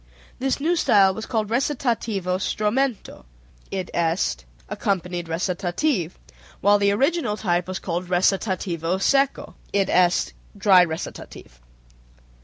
This new style was called recitativo stromento (i.e., accompanied recitative), while the original type was called recitativo secco (i.e., dry recitative).